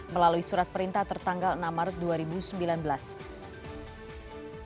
melalui surat perintah tertanggal enam maret dua ribu sembilan belas